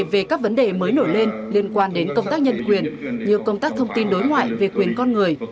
về các vấn đề mới nổi lên liên quan đến công tác nhân quyền như công tác thông tin đối ngoại về quyền con người